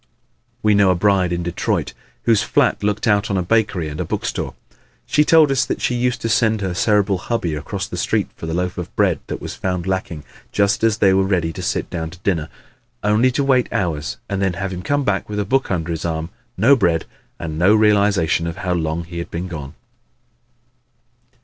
We know a bride in Detroit whose flat looked out on a bakery and a bookstore. She told us that she used to send her Cerebral hubby across the street for the loaf of bread that was found lacking just as they were ready to sit down to dinner only to wait hours and then have him come back with a book under his arm, no bread and no realization of how long he had been gone.